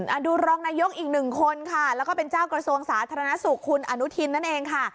ดูรองนายกอีกหนึ่งคนค่ะแล้วก็เป็นเจ้ากระทรวงสาธารณสุขคุณอนุทินนั่นเองค่ะ